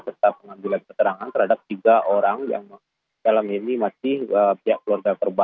serta pengambilan keterangan terhadap tiga orang yang dalam ini masih pihak keluarga korban